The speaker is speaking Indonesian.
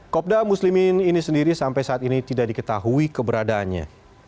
kopda muslimin ini sendiri sampai saat ini tidak diketahui keberadaannya